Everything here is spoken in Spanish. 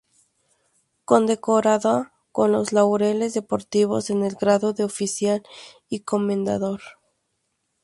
Condecorada con los Laureles deportivos en el grado de Oficial y Comendador.